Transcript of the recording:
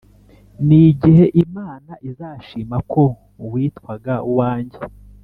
nigihe imana izashima ko witwa uwange